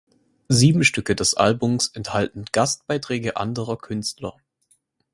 Sieben Stücke des Albums enthalten Gastbeiträge anderer Künstler.